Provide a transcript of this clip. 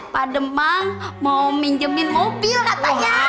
pak demam mau minjemin mobil katanya